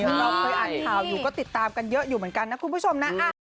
เราเคยอ่านข่าวอยู่ก็ติดตามกันเยอะอยู่เหมือนกันนะคุณผู้ชมนะ